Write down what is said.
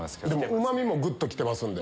うまみもぐっときてますんで。